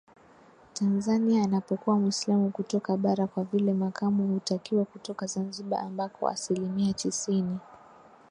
Tanzania anapokuwa Mwislamu kutoka Bara kwa vile Makamu hutakiwa kutoka Zanzibar ambako asilimia tisini